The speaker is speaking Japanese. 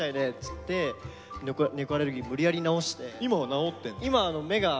今は治ってんの？